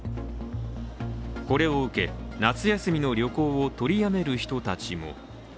これを受け夏休みの旅行を取りやめる人たちも。